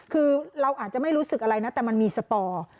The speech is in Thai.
คือเราอาจจะไม่รู้สึกอะไรนะแต่มันมีสปอร์